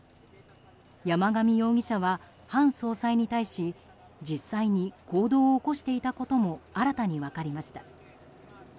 山上容疑者はハン総裁に対し実際に行動を起こしていたことも新たに分かりました。